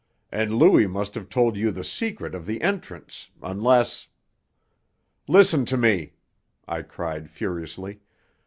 And Louis must have told you the secret of the entrance, unless " "Listen to me!" I cried furiously.